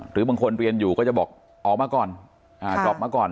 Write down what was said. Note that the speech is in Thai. หรือบางคนเรียนอยู่ก็จะบอกออกมาก่อนจบมาก่อน